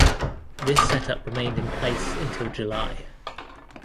This setup remained in place until July.